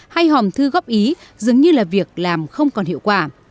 hay hòm thư góp ý dường như là việc làm không còn hiệu quả